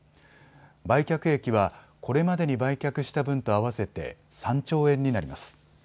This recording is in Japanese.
売却益はこれまでに売却した分と合わせて３兆円になります。